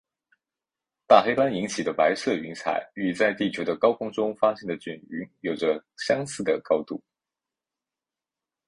大黑斑引起的白色云彩与在地球的高空中发现的卷云有着相似的高度。